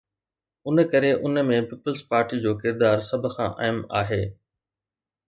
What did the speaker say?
ان ڪري ان ۾ پيپلز پارٽي جو ڪردار سڀ کان اهم آهي.